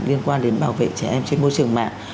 liên quan đến bảo vệ trẻ em trên môi trường mạng